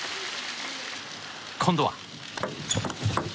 今度は。